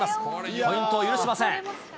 ポイントを許しません。